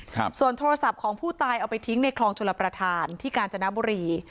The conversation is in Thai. ครับส่วนโทรศัพท์ของผู้ตายเอาไปทิ้งในคลองชลประธานที่กาญจนบุรี